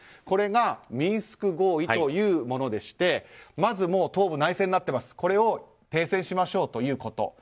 これがミンスク合意というものでしてまず東部、内戦になっていますが停戦しましょうということ。